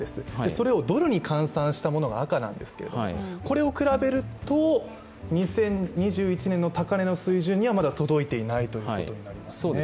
それをドルに換算したものが赤なんですけどもこれを比べると、２０２１年の高値の水準にはまだ届いていないということになりますね。